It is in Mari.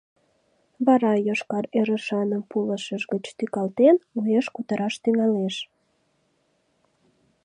Вара, йошкар ӧрышаным пулышыж гыч тӱкалтен, уэш кутыраш тӱҥалеш: